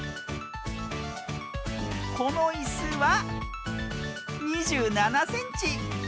このいすは２７センチ。